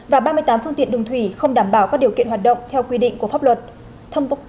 và ba mươi tám phương tiện đường thủy không đảm bảo các điều kiện hoạt động theo quy định của pháp luật